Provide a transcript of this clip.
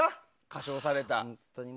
歌唱された。